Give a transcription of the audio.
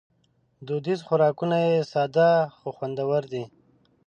دودیز خوراکونه یې ساده خو خوندور دي.